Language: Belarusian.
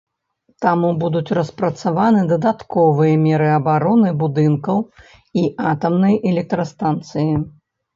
Таму будуць распрацаваны дадатковыя меры абароны будынкаў і атамнай электрастанцыі.